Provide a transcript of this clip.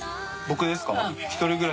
僕ですか？